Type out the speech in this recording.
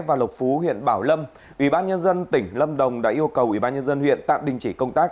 và lộc phú huyện bảo lâm ubnd tỉnh lâm đồng đã yêu cầu ubnd huyện tạm đình chỉ công tác